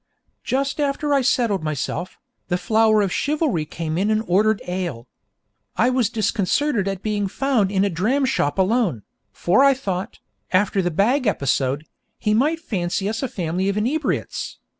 Just after I had settled myself, the flower of chivalry came in and ordered ale. I was disconcerted at being found in a dramshop alone, for I thought, after the bag episode, he might fancy us a family of inebriates.